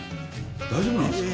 大丈夫なんですか？